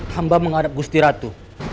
tambah menghadap gusir ratu